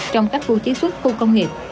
trong các khu chí xuất khu công nghiệp